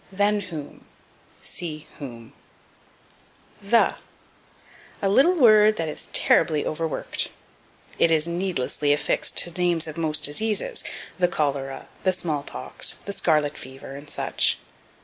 Than Whom. See Whom. The. A little word that is terribly overworked. It is needlessly affixed to names of most diseases: "the cholera," "the smallpox," "the scarlet fever," and such.